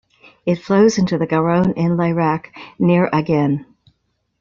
It flows into the Garonne in Layrac, near Agen.